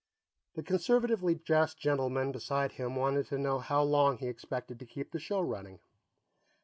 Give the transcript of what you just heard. The conservatively dressed gentleman beside him wanted to know how long he expected to keep the show running.